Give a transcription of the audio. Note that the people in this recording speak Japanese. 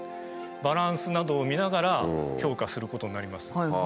バランスなどを見ながら評価することになります。